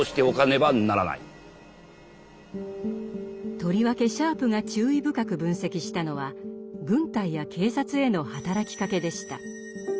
とりわけシャープが注意深く分析したのは軍隊や警察への働きかけでした。